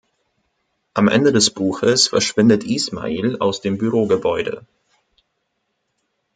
Am Ende des Buches verschwindet Ismael aus dem Bürogebäude.